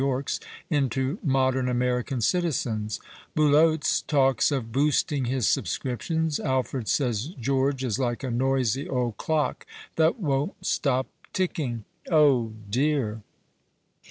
York's) into modern American citizens. Buloz talks of" boosting " his subscriptions. Alfred says George is " like a noisy old clock that won't stop ticking." Oh dear